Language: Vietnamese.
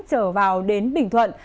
trở vào đến bình thuận